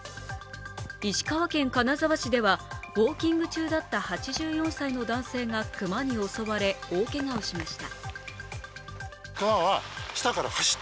石川県金沢市ではウォーキング中だった８４歳の男性が熊に襲われ大けがをしました。